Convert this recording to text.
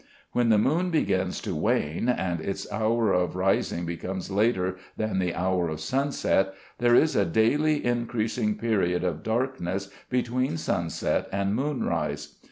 When the moon begins to wane, and its hour of rising becomes later than the hour of sunset, there is a daily increasing period of darkness between sunset and moon rise.